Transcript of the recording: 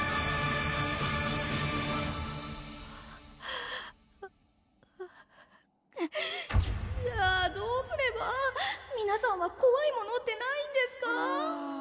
あぁじゃあどうすれば皆さんはこわいものってないんですか？